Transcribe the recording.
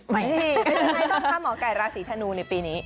ไงบ้างค่ะหมอไก่ราศีธนูในปีนี้